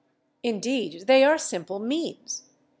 Indeed they are simple means.